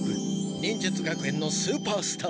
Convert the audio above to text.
忍術学園のスーパースター！